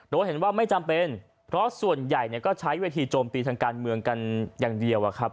โดยเห็นว่าไม่จำเป็นเพราะส่วนใหญ่ก็ใช้เวทีโจมตีทางการเมืองกันอย่างเดียวอะครับ